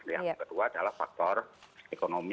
yang kedua adalah faktor ekonomi